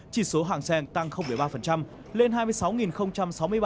chỉ số hàng sen tăng ba lên hai mươi sáu sáu mươi ba sáu điểm